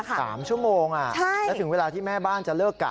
ล็อกอยู่๓ชั่วโมงอ่ะแล้วถึงเวลาที่แม่บ้านจะเลิกกะ